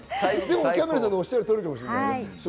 キャンベルさんのおっしゃる通りかもしれない。